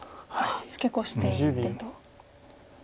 ツケコシていってと。